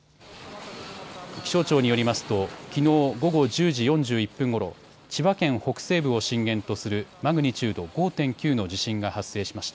気象庁によりますときのう午後１０時４１分ごろ千葉県北西部を震源とするマグニチュード５．９の地震が発生しました。